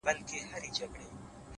o مړ مه سې ـ د بل ژوند د باب وخت ته ـ